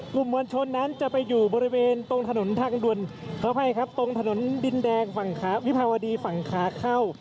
กลุ่มบริเวณชนนั้นจะไปอยู่บริเวณตรงถนนดินแดงวิภาวดีฝั่งขาเข้า